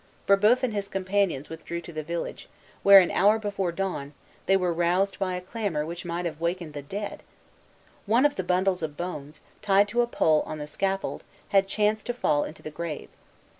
Brébeuf and his companions withdrew to the village, where, an hour before dawn, they were roused by a clamor which might have wakened the dead. One of the bundles of bones, tied to a pole on the scaffold, had chanced to fall into the grave.